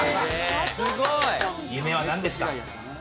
夢は何ですか？